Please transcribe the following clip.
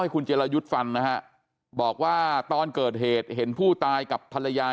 คุณเจรายุทธ์ฟันนะฮะบอกว่าตอนเกิดเหตุเห็นผู้ตายกับภรรยา